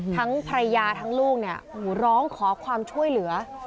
ทั้งภรรยาทั้งลูกเนี่ยร้องขอความช่วยเหลือ